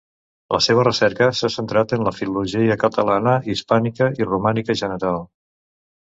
La seva recerca s'ha centrat en la filologia catalana, hispànica i romànica general.